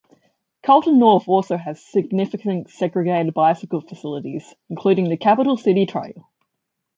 Carlton North also has significant segregated bicycle facilities, including the Capital City Trail.